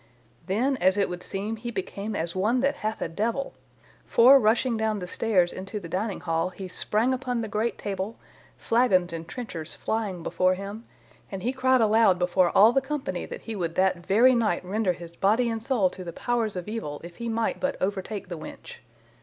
Then, as it would seem, he became as one that hath a devil, for, rushing down the stairs into the dining hall, he sprang upon the great table, flagons and trenchers flying before him, and he cried aloud before all the company that he would that very night render his body and soul to the Powers of Evil if he might but overtake the wench.